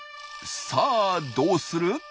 さあどうする？